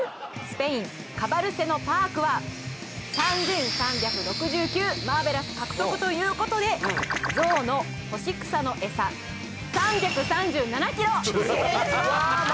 スペインカバルセノ・パークは３３６９マーベラス獲得ということでゾウの干し草のエサ３３７ｋｇ進呈いたしますわー